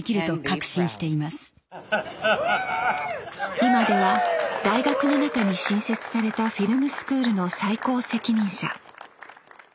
今では大学の中に新設されたフィルムスクールの最高責任者。